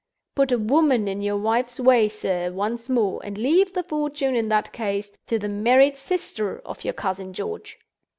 Put a woman in your wife's way, sir, once more—and leave the fortune, in that case, to the married sister of your cousin George."